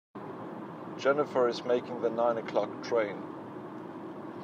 Jennifer is making the nine o'clock train.